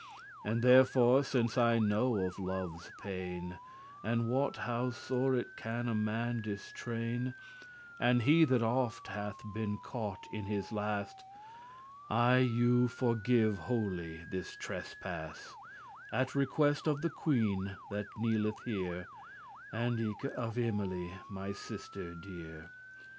And therefore since I know of love's pain, And wot how sore it can a man distrain*, *distress As he that oft hath been caught in his last*, *snare <38> I you forgive wholly this trespass, At request of the queen that kneeleth here, And eke of Emily, my sister dear.